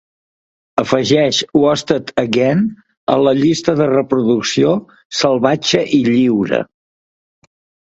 Afegeix "Wasted again" a la llista de reproducció "salvatge i lliure".